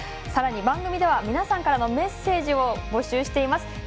さらに番組では皆さんからのメッセージを募集しています。